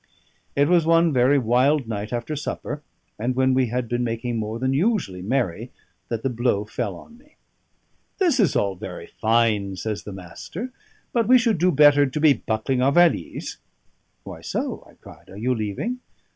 It was one very wild night, after supper, and when we had been making more than usually merry, that the blow fell on me. "This is all very fine," says the Master, "but we should do better to be buckling our valise." "Why so?" I cried. "Are you leaving?"